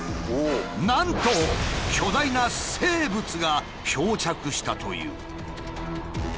なんと巨大な生物が漂着したという。